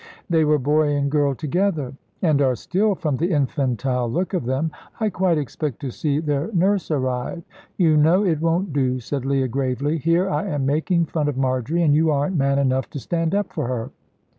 "They were boy and girl together." "And are still, from the infantile look of them. I quite expect to see their nurse arrive. You know, it won't do," said Leah, gravely; "here I am making fun of Marjory, and you aren't man enough to stand up for her."